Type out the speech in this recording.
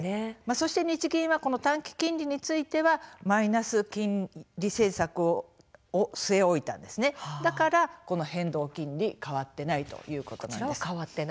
そして日銀は短期金利についてはマイナス金利政策を据え置いただから変動金利が変わっていないんです。